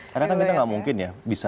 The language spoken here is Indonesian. karena kan kita nggak mungkin ya